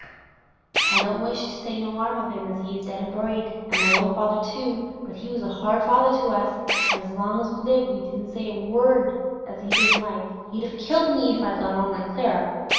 I don't wish to say no 'arm of him as is dead an' buried, an' my own father too, but he was a hard father to us, an' as long as he lived we dursn't say not a word as he didn't like. He'd a killed me if I'd gone on like Clara.